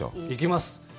行きます！